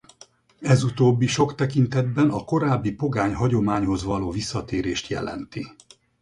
Ez utóbbi sok tekintetben a korábbi pogány hagyományhoz való visszatérést jelenti.